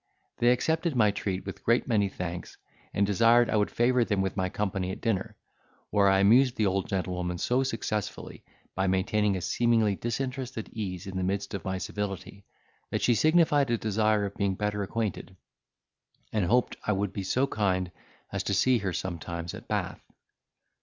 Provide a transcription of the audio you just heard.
They accepted my treat with a great many thanks, and desired I would favour them with my company at dinner, where I amused the old gentlewoman so successfully, by maintaining a seemingly disinterested ease in the midst of my civility, that she signified a desire of being better acquainted, and hoped I would be so kind as to see her sometimes at Bath.